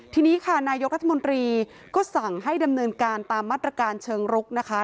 ทีนี้ค่ะนายกรัฐมนตรีก็สั่งให้ดำเนินการตามมาตรการเชิงรุกนะคะ